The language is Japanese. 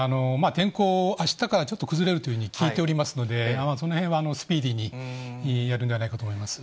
天候、あしたからちょっと崩れるというふうに聞いておりますので、そのへんはスピーディーにやるんじゃないかと思います。